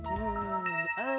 aduh gimana sih